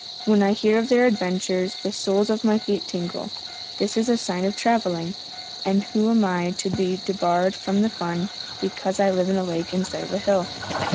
When I hear of their adventures, the soles of my feet tingle. This is a sign of travelling, and am I to be debarred from fun because I live in a lake instead of a hill?"